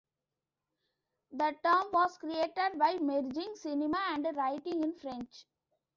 The term was created by merging "cinema" and "writing" in French.